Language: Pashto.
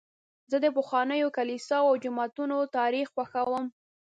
زه د پخوانیو کلیساوو او جوماتونو تاریخ خوښوم.